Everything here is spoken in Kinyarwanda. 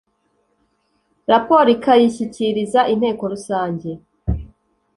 raporo ikayishyikiriza inteko rusange,